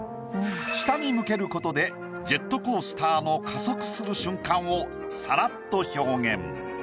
下に向けることでジェットコースターの加速する瞬間をさらっと表現。